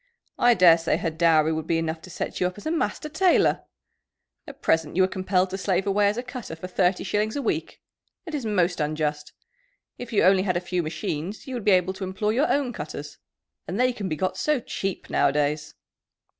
I daresay her dowry would be enough to set you up as a master tailor. At present you are compelled to slave away as a cutter for thirty shillings a week. It is most unjust. If you only had a few machines you would be able to employ your own cutters. And they can be got so cheap nowadays."